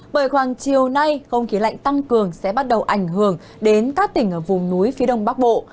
bởi khoảng chiều nay không khí lạnh tăng cường sẽ bắt đầu ảnh hưởng đến các tỉnh ở vùng núi phía đông bắc bộ